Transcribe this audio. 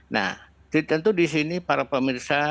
nah tentu di sini para pemirsa